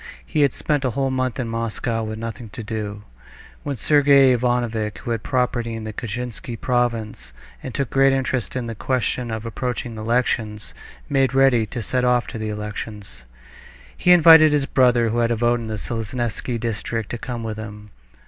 He had spent a whole month in Moscow with nothing to do, when Sergey Ivanovitch, who had property in the Kashinsky province, and took great interest in the question of the approaching elections, made ready to set off to the elections. He invited his brother, who had a vote in the Seleznevsky district, to come with him.